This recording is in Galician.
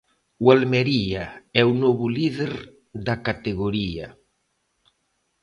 O Almería é o novo líder da categoría.